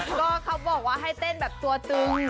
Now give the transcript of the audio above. ก็เขาบอกว่าให้เต้นแบบตัวตึง